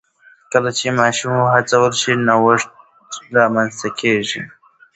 کله چې ماشومان وهڅول شي، نوښت رامنځته کېږي.